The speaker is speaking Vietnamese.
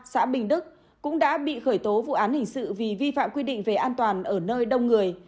xã bình đức cũng đã bị khởi tố vụ án hình sự vì vi phạm quy định về an toàn ở nơi đông người